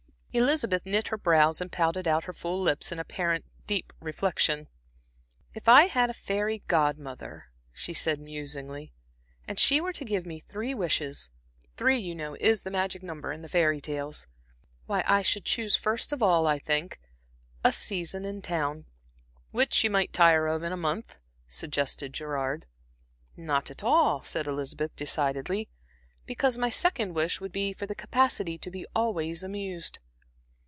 Elizabeth knit her brows and pouted out her full lips, in apparently deep reflection. "If I had a fairy Godmother," she said, musingly, "and she were to give me three wishes three, you know, is the magic number in the fairy tales why, I should choose first of all, I think, a season in town" "Which you might tire of in a month," suggested Gerard. "Not at all," said Elizabeth, decidedly, "because my second wish would be for the capacity to be always amused."